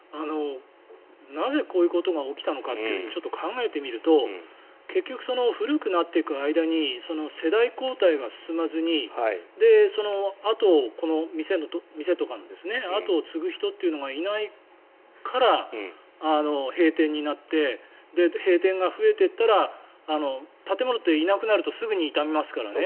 なぜこういうことが起きたのかってちょっと考えてみると結局古くなっていく間に世代交代が進まずに店の後を継ぐ人がいないから閉店になって閉店が増えていったら建物っていなくなるとすぐに傷みますからね。